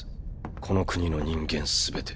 この国の人間全て。